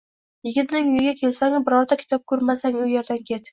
Yigitning uyiga kelsangu birorta kitob ko‘rmasang, u yerdan ket.